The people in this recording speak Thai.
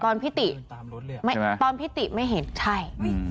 อ๋อตอนพี่ติไม่เห็นใช่